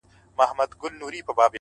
• په هیڅ کي نسته مزه شیرینه ,